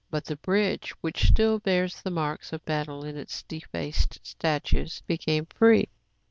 But the bridge, which still bears the marks of battle in its defaced statues, became free.